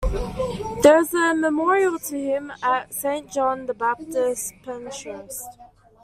There is a memorial to him at Saint John the Baptist, Penshurst.